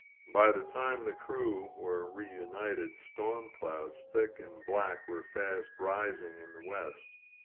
By the time the crew were reunited, storm clouds, thick and black, were fast rising in the west.